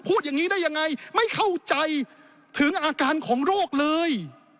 พูดอย่างนี้ได้ยังไงไม่เข้าใจถึงอาการของโรคเลย